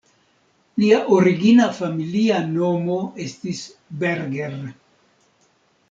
Lia origina familia nomo estis "Berger".